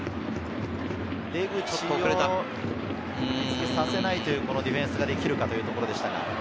手口を見つけさせないというディフェンスができるかというところでしたが。